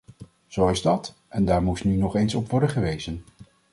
Zo is dat en daar moest nu nog eens op worden gewezen.